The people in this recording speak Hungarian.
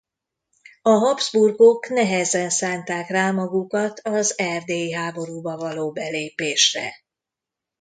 A Habsburgok nehezen szánták rá magukat az erdélyi háborúba való belépésre.